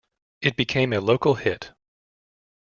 It became a local hit.